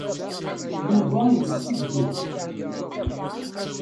Yuba yetteddu.